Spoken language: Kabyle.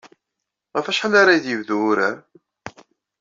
Ɣef wacḥal ara d-yebdu wurar?